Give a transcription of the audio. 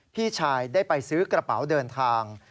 พี่ชายได้ไปซื้อกระเป๋าเดินทาง